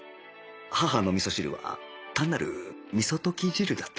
母の味噌汁は単なる味噌溶き汁だった